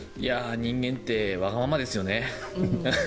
人間ってわがままですよね。